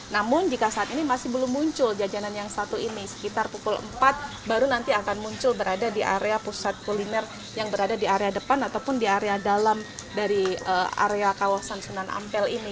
namun jika saat ini masih belum muncul jajanan yang satu ini sekitar pukul empat baru nanti akan muncul berada di area pusat kuliner yang berada di area depan ataupun di area dalam dari area kawasan sunan ampel ini